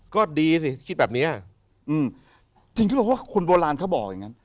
ก็ดีสิคิดแบบเนี้ยอืมจริงเขาบอกว่าคนโบราณเขาบอกอย่างงั้น